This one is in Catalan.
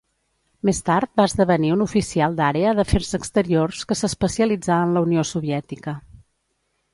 Més tard va esdevenir un oficial d'Àrea d'Afers Exteriors, que s'especialitzà en la Unió Soviètica.